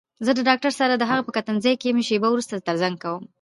زه د ډاکټر سره دهغه په کتنځي کې يم شېبه وروسته زنګ درته کوم.